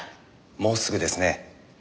もうすぐですね。